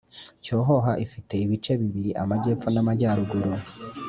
cyohoha ifite ibice bibiri ,amajyepfo namajyaruguru